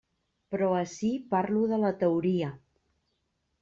Però ací parlo de la teoria.